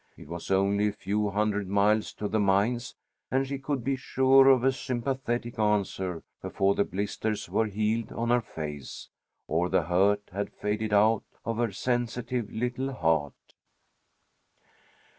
It was only a few hundred miles to the mines, and she could be sure of a sympathetic answer before the blisters were healed on her face, or the hurt had faded out of her sensitive little heart.